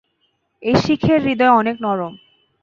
এই শিখের হৃদয় অনেক নরম।